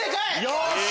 よし！